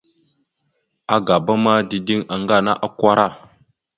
Agaba ma, dideŋ aŋga ana akwara.